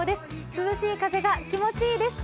涼しい風が気持ちいいです。